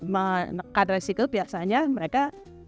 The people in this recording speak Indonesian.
menekan resiko biasanya mereka